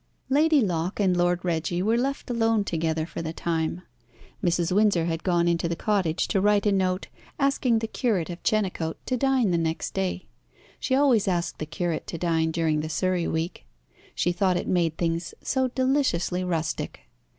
Lady Locke and Lord Reggie were left alone together for the time. Mrs. Windsor had gone into the cottage to write a note, asking the curate of Chenecote to dine the next day. She always asked the curate to dine during the Surrey week. She thought it made things so deliciously rustic.